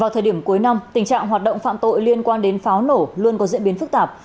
trạng hoạt động phạm tội liên quan đến pháo nổ luôn có diễn biến phức tạp